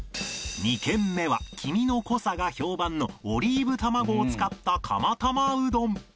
２軒目は黄身の濃さが評判のオリーブ卵を使った釜たまうどん